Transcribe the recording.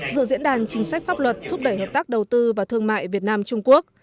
dự diễn đàn chính sách pháp luật thúc đẩy hợp tác đầu tư và thương mại việt nam trung quốc